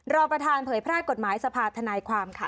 รองประธานเผยแพร่กฎหมายสภาธนายความค่ะ